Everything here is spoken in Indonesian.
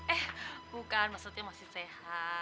eh bukan maksudnya masih sehat